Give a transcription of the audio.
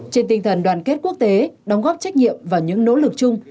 trên tinh thần đoàn kết quốc tế đóng góp trách nhiệm và những nỗ lực chung